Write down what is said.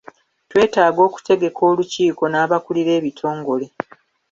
Twetaaga okutegeka olukiiko n'abakulira ebitongole.